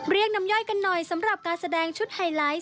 เรียกน้ำย่อยกันหน่อยสำหรับการแสดงชุดไฮไลท์